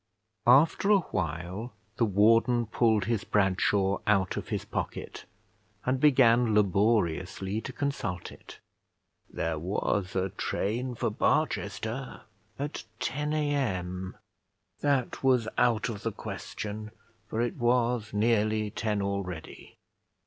After a while the warden pulled his Bradshaw out of his pocket, and began laboriously to consult it. There was a train for Barchester at 10 A.M. That was out of the question, for it was nearly ten already.